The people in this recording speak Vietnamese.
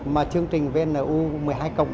mà chương trình vnu một mươi hai cộng